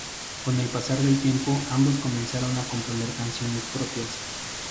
Con el pasar del tiempo, ambos comenzaron a componer canciones propias.